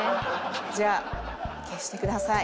じゃあ消してください。